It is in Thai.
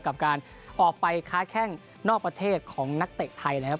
กับการออกไปค้าแข้งนอกประเทศของนักเตะไทยนะครับ